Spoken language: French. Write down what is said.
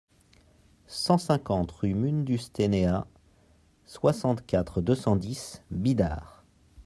cent cinquante rue Mundustenea, soixante-quatre, deux cent dix, Bidart